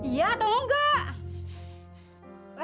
iya atau enggak